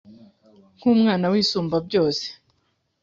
Nk’Umwana w’Isumba Byose